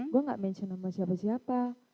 gue enggak mention nama siapa siapa